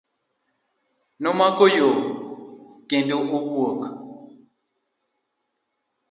Nomako yoo kendo owuok.